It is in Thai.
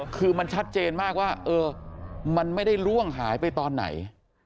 คือมันชัดเจนมากว่ามันไม่ได้ล่วงหายไปตอนไหน